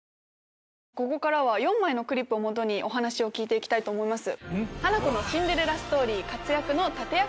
ここからは４枚のＣＬＩＰＳを基にお話を聞いて行きたいと思います。